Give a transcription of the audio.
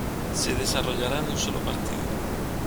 Se desarrollará en un sólo partido.